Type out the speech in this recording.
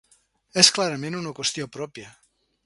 És clarament una qüestió pròpia.